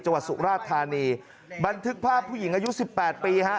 สุราชธานีบันทึกภาพผู้หญิงอายุสิบแปดปีฮะ